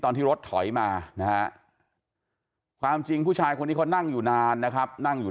ตอนที่รถถอยมานะฮะความจริงผู้ชายคนนี้เขานั่งอยู่นานนะครับนั่งอยู่